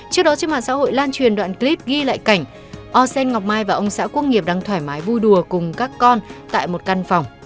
trước đó trên mạng xã hội lan truyền đoạn clip ghi lại cảnh o sen ngọc mai và ông xã quốc nghiệp đang thoải mái vui đùa cùng các con tại một căn phòng